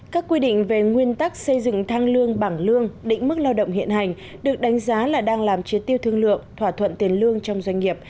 các quy định về nguyên tắc xây dựng thang lương bảng lương định mức lao động hiện hành được đánh giá là đang làm triệt tiêu thương lượng thỏa thuận tiền lương trong doanh nghiệp